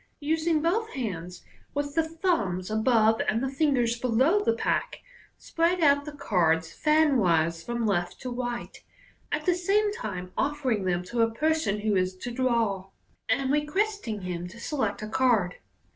Using both hands, with the thumbs above and the fingers below the pack, spread out the cards fanwise from left to right, at the same time offering them to the person who is to draw, and requesting him to select a card.